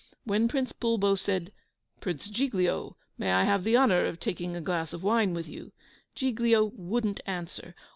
When Prince Bulbo said, "Prince Giglio, may I have the honour of taking a glass of wine with you?" Giglio wouldn't answer.